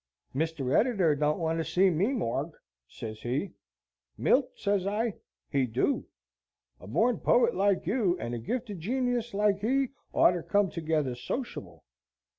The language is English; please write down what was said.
'Mister Editor don't went to see me, Morg,' sez he. 'Milt,' sez I, 'he do; a borned poet like you and a gifted genius like he oughter come together sociable!'